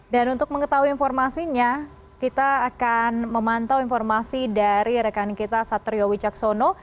dan untuk mengetahui informasinya kita akan memantau informasi dari rekan kita saterio wijaksono